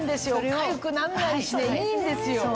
かゆくなんないしねいいんですよ！